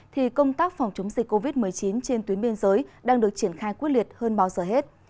thì công tác phòng chống dịch covid một mươi chín trên tuyến biên giới đang được triển khai quyết liệt hơn bao giờ hết